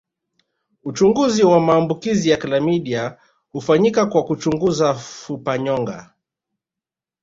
Uchunguzi wa maambukizi ya klamidia hufanyika kwa kuchunguza fupanyonga